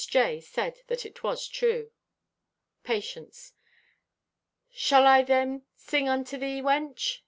said this was true. Patience.—"Shall I then sing unto thee, wench?"